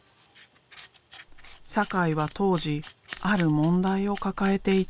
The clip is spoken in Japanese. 酒井は当時ある問題を抱えていた。